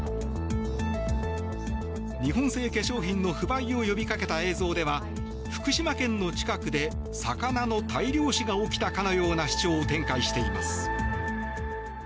日本製化粧品の不買を呼びかけた映像では、福島県の近くで魚の大量死が起きたかのような主張を展開しています。